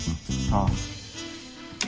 ああ。